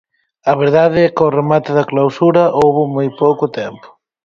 A verdade é que ao remate da clausura houbo moi pouco tempo.